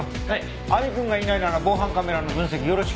亜美君がいないなら防犯カメラの分析よろしく。